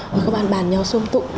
và các bạn bàn nhau xôn tụng